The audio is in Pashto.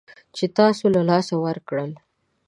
چې تاسو له لاسه ورکړل